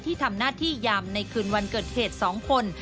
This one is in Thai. ที่ทำหน้าที่ยามในคืนวันเกิดเหตุ๒คน